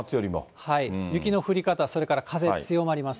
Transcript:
雪の降り方、それから風、強まります。